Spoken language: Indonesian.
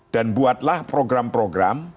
dan buatlah program program